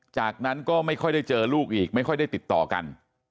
จากนั้นก็ไม่ค่อยได้เจอลูกอีกไม่ค่อยได้ติดต่อกัน